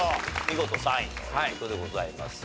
見事３位という事でございます。